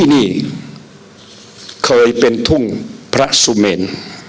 นี่เคยเป็นทุ่งพระสุเมน